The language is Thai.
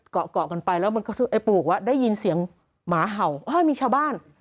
ก็เกาะกันไปแล้วปูโรคแบบว่าได้ยินเสียงห่าวมีชาวบ้าน